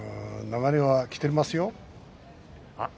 流れはきてますよ。